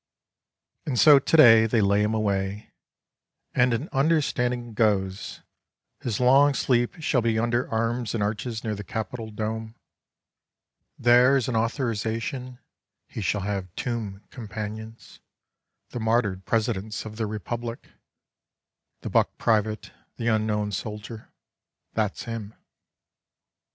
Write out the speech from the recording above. And so to day — they lay him away — and an understanding goes — his long sleep shall be under arms and arches near the Capitol Dome — there is an authorization — he shall have tomb com panions — the martyred presidents of the Republic — the buck private — the unknown soldier — 'that's him.